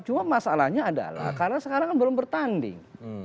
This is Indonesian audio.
cuma masalahnya adalah karena sekarang kan belum bertanding